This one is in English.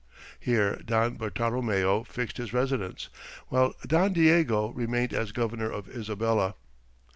Here Don Bartolomeo fixed his residence, while Don Diego remained as Governor of Isabella.